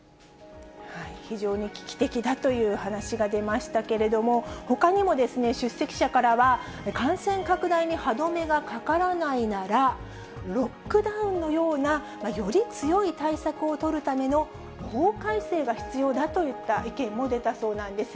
非常に危機的だという話が出ましたけれども、ほかにもですね、出席者からは、感染拡大に歯止めがかからないなら、ロックダウンのような、より強い対策を取るための法改正が必要だといった意見も出たそうなんです。